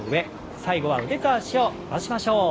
最後は腕と脚を戻しましょう。